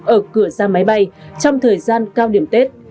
ở cửa ra máy bay trong thời gian cao điểm tết